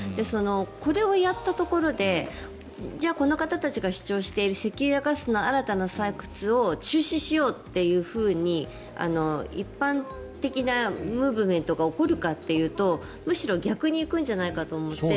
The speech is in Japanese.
これをやったところでじゃあこの方たちが主張している石油やガスの新たな採掘を中止しようっていうふうに一般的なムーブメントが起こるかというとむしろ逆に行くんじゃないかと思って。